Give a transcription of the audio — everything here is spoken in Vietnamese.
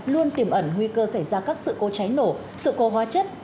luôn tiềm ẩn nguy cơ xảy ra các sự cố cháy nổ sự cố hóa chất